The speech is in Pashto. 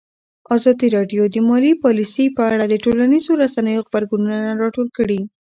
ازادي راډیو د مالي پالیسي په اړه د ټولنیزو رسنیو غبرګونونه راټول کړي.